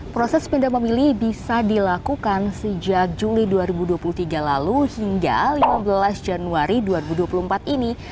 proses pindah memilih bisa dilakukan sejak juli dua ribu dua puluh tiga lalu hingga lima belas januari dua ribu dua puluh empat ini